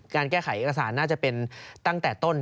การแก้ไขเอกสารน่าจะเป็นตั้งแต่ต้น